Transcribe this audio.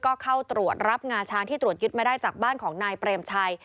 ก็เข้าตรวจรับงาช้างที่ตรวจยึดมาได้จากบ้านของนายเปรมชัย